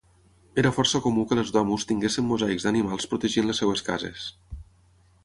Era força comú que les domus tinguessin mosaics d'animals protegint les seves cases.